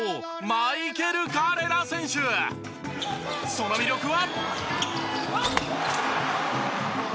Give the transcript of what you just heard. その魅力は？